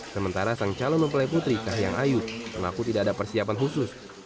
sementara sang calon mempelai putri kahiyang ayu mengaku tidak ada persiapan khusus